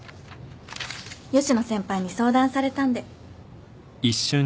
吉野先輩に相談されたんで。